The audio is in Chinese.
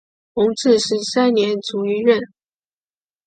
弘治十三年卒于任。